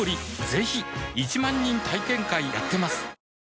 ぜひ１万人体験会やってますはぁ。